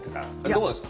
どうですか？